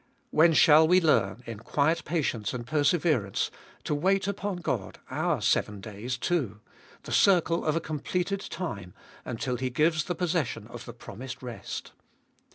When shall we learn, in quiet patience and perseverance, to wait upon God our seven days too, the circle of a completed time, until He gives the possession of the promised rest.